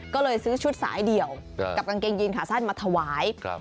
ก็เลยซื้อชุดสายเดี่ยวกับกางเกงยีนขาสั้นมาถวาย